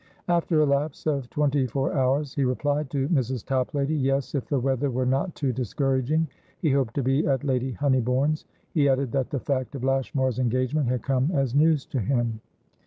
After a lapse of twenty four hours, he replied to Mrs. Toplady. Yes, if the weather were not too discouraging, he hoped to be at Lady Honeybourne's. He added that the fact of Lashmar's engagement had come as news to him.